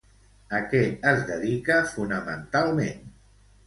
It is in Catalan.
A què es dedica fonamentalment?